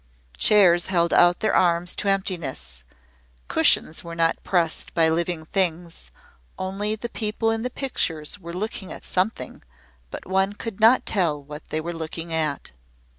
Chairs held out their arms to emptiness cushions were not pressed by living things only the people in the pictures were looking at something, but one could not tell what they were looking at.